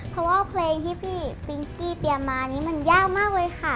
เพราะว่าเพลงที่พี่ปิ๊งกี้เตรียมมานี้มันยากมากเลยค่ะ